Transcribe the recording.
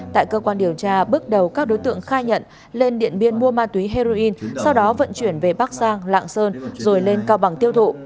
tại cơ quan điều tra bước đầu các đối tượng khai nhận lên điện biên mua ma túy heroin sau đó vận chuyển về bắc giang lạng sơn rồi lên cao bằng tiêu thụ